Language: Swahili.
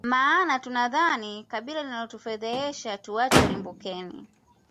maana tunadhani kabila linatufedhehesha tuache ulimbukeni